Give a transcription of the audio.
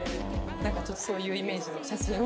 なんかちょっとそういうイメージの写真を。